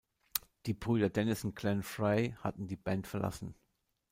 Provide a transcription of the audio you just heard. Die Brüder Dennis und Glenn Frey hatten die Band verlassen.